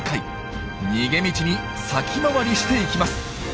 逃げ道に先回りしていきます。